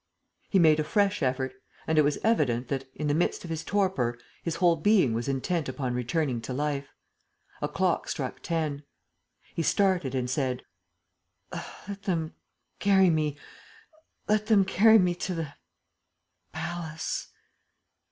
He made a fresh effort; and it was evident that, in the midst of his torpor, his whole being was intent upon returning to life. A clock struck ten. He started and said: "Let them carry me; let them carry me to the palace."